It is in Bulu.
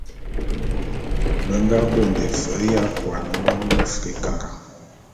Be nga bonde fe'e ya kuane bon b'Afrikara.